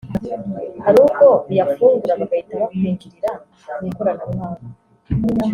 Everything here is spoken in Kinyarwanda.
Hari ubwo uyafungura bagahita bakwinjirira mu ikoranabuhanga